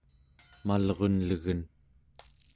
malrunlegen